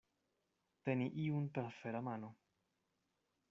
Teni iun per fera mano.